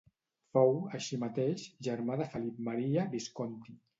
Fou, així mateix, germà de Felip Maria Visconti.